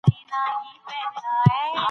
همدا اوس پرېکړه وکړئ.